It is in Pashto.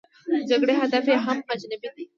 د جګړې هدف یې هم اجنبي دی.